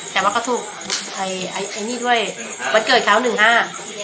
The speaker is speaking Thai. แต่ว่าก็ถูกไอไอไอนี่ด้วยบัตรเกิดเขาหนึ่งห้า